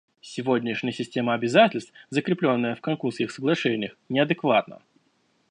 Сегодняшняя система обязательств, закрепленная в Канкунских соглашениях, неадекватна.